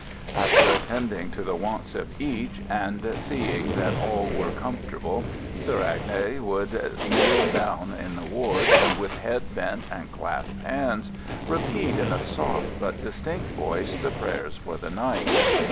_" After attending to the wants of each, and seeing that all are comfortable, Soeur Agnes would kneel down in the ward, and, with bent head and clasped hands, repeat in a soft but distinct voice the prayers for the night.